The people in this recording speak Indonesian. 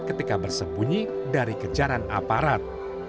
ketika bersembunyi dari kejaran aparat